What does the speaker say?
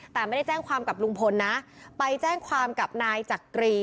แต่ไม่ได้แจ้งความกับลุงพลนะไปแจ้งความกับนายจักรี